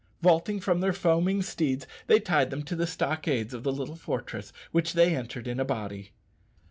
Vaulting from their foaming steeds they tied them to the stockades of the little fortress, which they entered in a body.